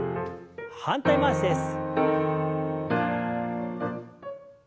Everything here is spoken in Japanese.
反対回しです。